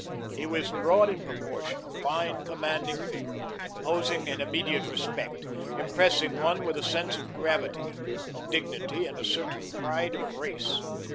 He was broad in proportion, a fine commanding figure, imposing an immediate respect, impressing one with a sense of gravity, of dignity and a certain pride of race.